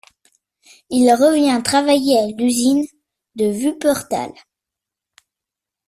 Il revient travailler à l'usine de Wuppertal.